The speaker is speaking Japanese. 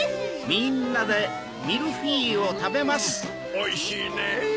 おいしいねぇ！